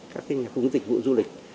các nhà công dịch vụ du lịch